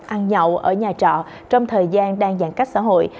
ăn nhậu ở nhà trọ trong thời gian đang giãn cách xã hội